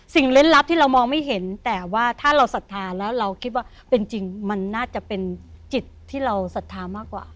เล่นลับที่เรามองไม่เห็นแต่ว่าถ้าเราศรัทธาแล้วเราคิดว่าเป็นจริงมันน่าจะเป็นจิตที่เราศรัทธามากกว่า